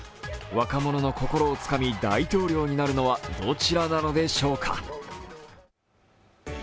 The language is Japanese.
若者の心をつかみ、大統領になるのは、どちらなのでしょうか。